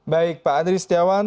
baik pak andri setiawan